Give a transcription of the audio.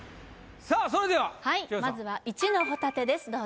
さあそれではまずは１のホタテです